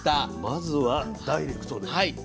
まずはダイレクトで。